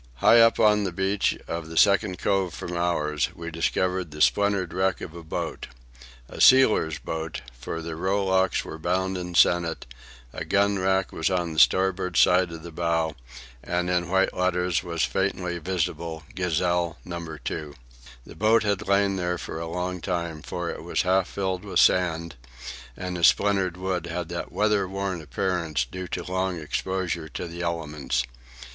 High up on the beach of the second cove from ours, we discovered the splintered wreck of a boat—a sealer's boat, for the rowlocks were bound in sennit, a gun rack was on the starboard side of the bow, and in white letters was faintly visible Gazelle No. 2. The boat had lain there for a long time, for it was half filled with sand, and the splintered wood had that weather worn appearance due to long exposure to the elements.